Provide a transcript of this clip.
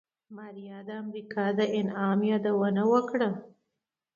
ماريا د امريکا د انعام يادونه وکړه.